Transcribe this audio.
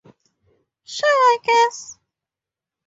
Sure, I guess.